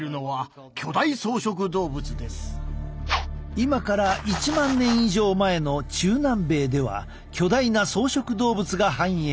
今から１万年以上前の中南米では巨大な草食動物が繁栄。